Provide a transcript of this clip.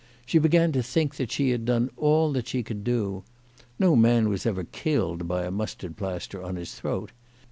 She began to think that she had done all that she could do. No man was ever killed by a mustard plaster on his throat.